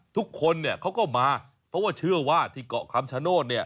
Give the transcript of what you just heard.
ทุกคนเขาก็มาเพราะว่าเชื่อว่าที่เกาะคำชโนธ